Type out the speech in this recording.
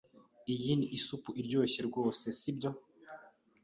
Iyi ni isupu iryoshye rwose, sibyo?